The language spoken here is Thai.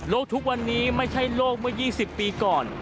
ทุกวันนี้ไม่ใช่โลกเมื่อ๒๐ปีก่อน